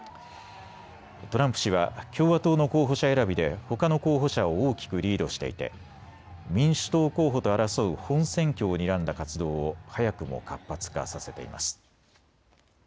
トランプ氏は共和党の候補者選びでほかの候補者を大きくリードしていて民主党候補と争う本選挙をにらんだ活動を早くも活発化させています。